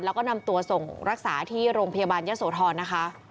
แล้วก็นำตัวส่งรักษาที่โรงพยาบาลยะโสธรนะคะ